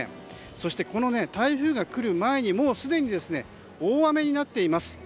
そして台風が来る前にもうすでに大雨になっています。